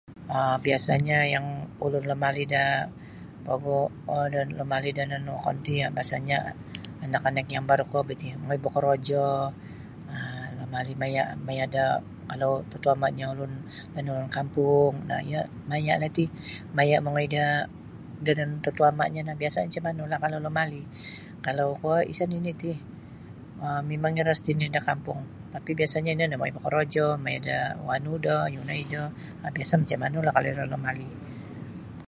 um biasanyo yang ulun lumali da pogu um lumali da yanan wokon ti rasanyo anak-anak yang baru kuo bi ti mongoi bokorojo um lumali maya da kalau mutuama'nyo ulun lain ulun kampung mayalah ti maya mongoi da yanan mutuoama' biasanyo macam manu kalau lumali kalau kuo isa nini ti um mimang iro siti nini da kampung tapi biasanyo ino nio mongoi bokorojo maya da wanu do yunai do biasa macam manulah kalau iro lumali.